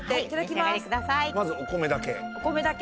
まずお米だけ。